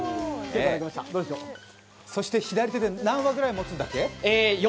そして左手で何束くらい持つんだっけ？